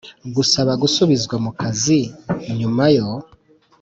Gusaba gusubizwa mu kazi nyuma yo